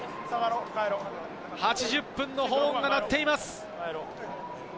８０分のホーンが鳴っています。